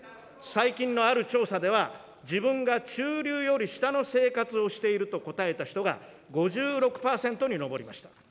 最近のある調査では、自分が中流より下の生活をしていると答えた人が５６％に上りました。